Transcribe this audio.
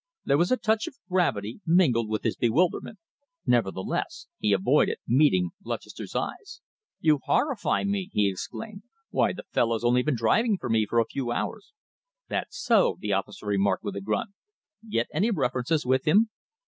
There was a touch of gravity mingled with his bewilderment. Nevertheless, he avoided meeting Lutchester's eyes. "You horrify me!" he exclaimed. "Why, the fellow's only been driving for me for a few hours." "That so?" the officer remarked, with a grunt. "Get any references with him?"